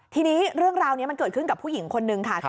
ทีนี้เรื่องราวนี้มันเกิดขึ้นกับผู้หญิงคนนึงค่ะ